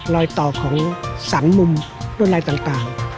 ลอยต่อของสรรมุมด้วยลายต่าง